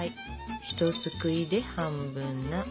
ひとすくいで半分な感じ。